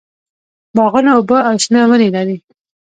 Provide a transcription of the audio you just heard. باغونه اوبه او شنه ونې لري.